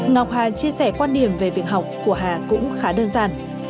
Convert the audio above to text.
ngọc hà chia sẻ quan điểm về việc học của hà cũng khá đơn giản